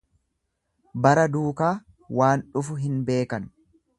Bara duukaa waan dhufu hin beekan.